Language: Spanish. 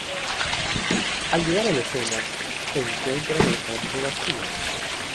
Al llegar a la escena, encuentran el campo vacío.